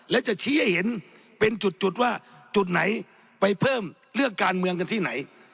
แล้วจะชี้ให้เห็นเป็นจุดว่าจุดไหนไปเพิ่มเรื่องการเมืองกันที่ไหน